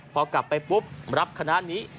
พอกลับไปปุ๊บรับคณะนี้